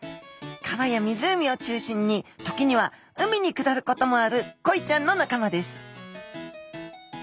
川や湖を中心に時には海に下ることもあるコイちゃんの仲間です